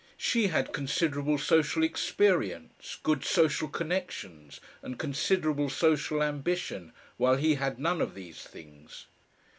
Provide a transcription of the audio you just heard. She had considerable social experience, good social connections, and considerable social ambition, while he had none of these things.